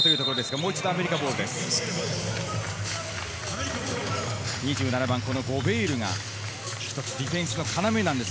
もう一度アメリカボールです。